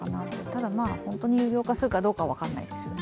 ただ、本当に有料化するかどうか分からないですよね。